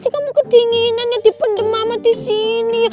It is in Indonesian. kamu pegang sini